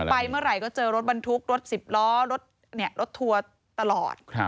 ไปเมื่อไหร่ก็เจอรถบรรทุกรถ๑๐ล้อรถทัวร์ตลอด